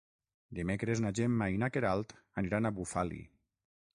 Dimecres na Gemma i na Queralt aniran a Bufali.